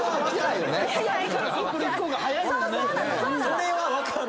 それは分かる。